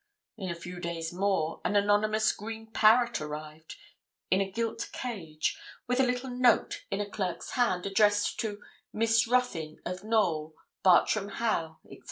In a few days more an anonymous green parrot arrived, in a gilt cage, with a little note in a clerk's hand, addressed to 'Miss Ruthyn (of Knowl), Bartram Haugh,' &c.